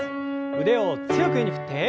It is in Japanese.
腕を強く上に振って。